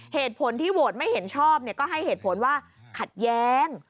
เหตุผลที่โหวตไม่เห็นชอบก็ให้เหตุผลว่าขัดแย้ง